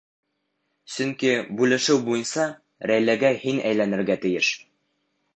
Сөнки бүлешеү буйынса Рәйләгә һин әйләнергә тейеш.